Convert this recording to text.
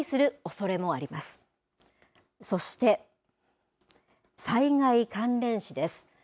そして災害関連死です。